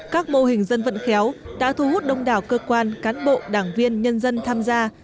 các mô hình dân vận khéo đã thu hút đông đảo cơ quan cán bộ đảng viên nhân dân tham gia